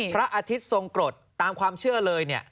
พระอาทิตย์ทรงกรดตามความเชื่อเลยเนี่ย